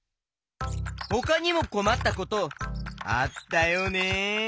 ほかにもこまったことあったよね？